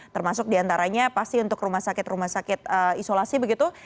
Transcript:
termasuk diantaranya pasti untuk rumah sakit rumah sakit isolasi begitu